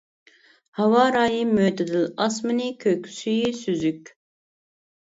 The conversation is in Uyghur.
ھاۋا رايى مۆتىدىل، ئاسمىنى كۆك، سۈيى سۈزۈك.